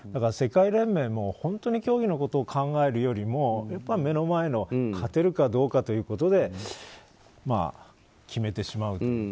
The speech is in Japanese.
世界連盟も本当に競技のことを考えるよりも目の前の勝てるかどうかということで決めてしまうと。